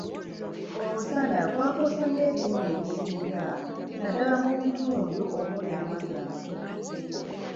Omusana gwakosa nnyo ebirime ebisinga naddala mu bitundu omuli amazzi amatono.